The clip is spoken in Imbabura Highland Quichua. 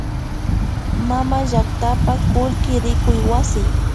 Mamallaktapa kullki rikuy wasi